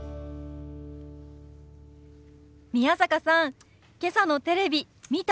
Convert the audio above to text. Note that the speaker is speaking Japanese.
宮坂さんけさのテレビ見た？